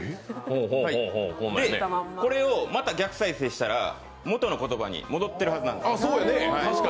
これをまた逆再生したら、元の言葉に戻っているはずなんです。